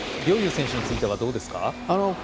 陵侑選手についてはどうですか？